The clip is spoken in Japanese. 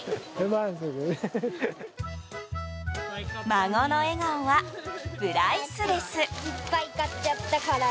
孫の笑顔は、プライスレス！